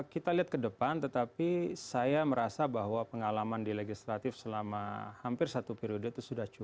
kita lihat ke depan tetapi saya merasa bahwa pengalaman di legislatif selama hampir satu periode itu sudah cukup